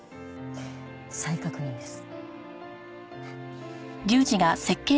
再確認です。